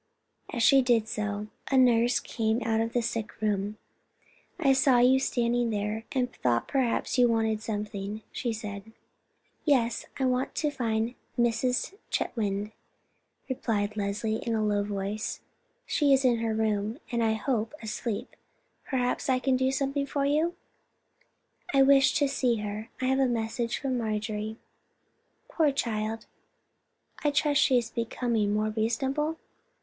As she did so, a nurse came out of the sick room. "I saw you standing there, and thought perhaps you wanted something," she said. "Yes, I want to find Mrs. Chetwynd," replied Leslie, in a low voice. "She is in her room, and, I hope, asleep. Perhaps I can do something for you?" "I wished to see her. I have a message from Marjorie." "Poor child, I trust she is becoming more reasonable.